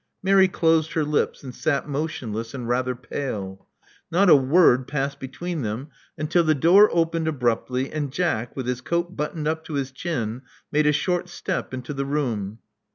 Mary closed her lips, and sat motionless and rather pale. Not a word passed between them until the door opened abruptly, and Jack, with his coat buttoned up to his chin, made a short step into the room.